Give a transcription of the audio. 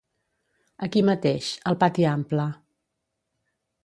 Aquí mateix, al Pati Ample.